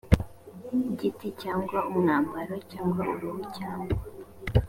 giti cyangwa umwambaro cyangwa uruhu cyangwa